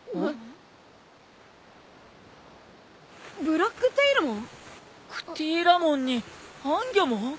ブラックテイルモン！？クティーラモンにハンギョモン！？